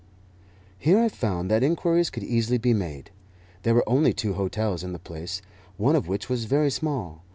Here I found that inquiries could easily be made. There were only two hotels in the place, one of which was very small.